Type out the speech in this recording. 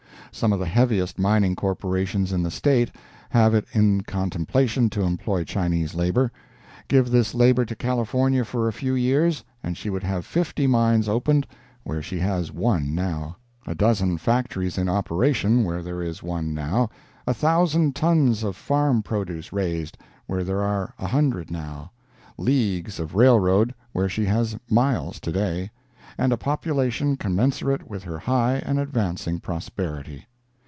Some of the heaviest mining corporations in the State have it in contemplation to employ Chinese labor. Give this labor to California for a few years and she would have fifty mines opened where she has one now—a dozen factories in operation where there is one now—a thousand tons of farm produce raised where there are a hundred now—leagues of railroad where she has miles to day, and a population commensurate with her high and advancing prosperity.